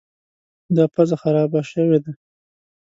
دا پزه خرابه شوې ده.